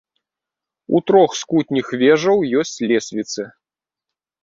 У трох з кутніх вежаў ёсць лесвіцы.